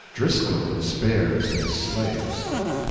Driscoll Spares His Slaves.